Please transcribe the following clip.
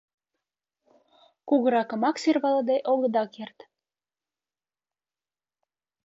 Кугыракымак сӧрвалыде огыда керт.